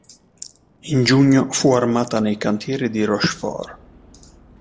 In giugno fu armata nei cantieri di Rochefort.